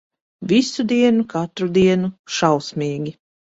Visu dienu, katru dienu. Šausmīgi.